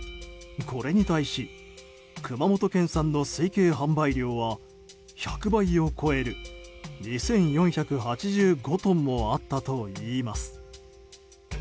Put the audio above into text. これに対し熊本県産の推定販売量は１００倍を超える２４８５トンもあったといいます。